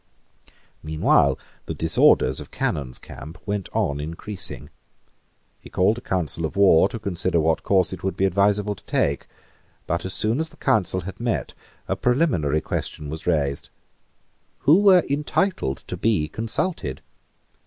Meanwhile the disorders of Cannon's camp went on increasing. He called a council of war to consider what course it would be advisable to take. But as soon as the council had met, a preliminary question was raised. Who were entitled to be consulted?